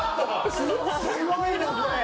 すごいなそれ。